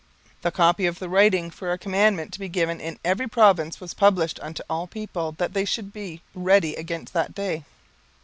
17:003:014 The copy of the writing for a commandment to be given in every province was published unto all people, that they should be ready against that day.